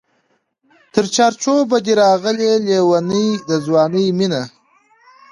تر چار چوبه دی راغلې لېونۍ د ځوانۍ مینه